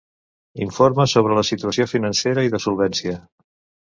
Informe sobre la situació financera i de solvència.